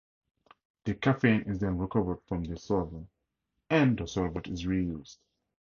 The caffeine is then recovered from the solvent, and the solvent is re-used.